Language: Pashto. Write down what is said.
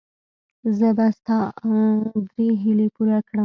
زه به ستا درې هیلې پوره کړم.